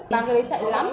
bạn cái đấy chạy lắm